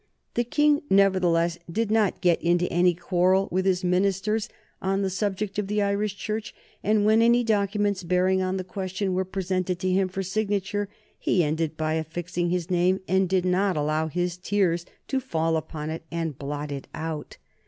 The King nevertheless did not get into any quarrel with his ministers on the subject of the Irish Church, and when any documents bearing on the question were presented to him for signature he ended by affixing his name and did not allow his tears to fall upon it and blot it out.